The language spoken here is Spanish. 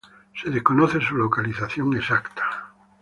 Se desconoce su localización exacta.